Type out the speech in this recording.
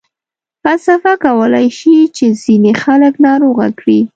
فلسفه کولای شي چې ځینې خلک ناروغه کړي.